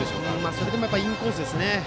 それでもインコースですね。